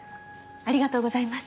ありがとうございます。